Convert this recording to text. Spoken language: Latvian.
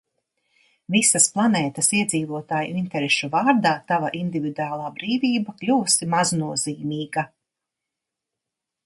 Visas planētas iedzīvotāju interešu vārdā tava individuālā brīvība kļuvusi maznozīmīga.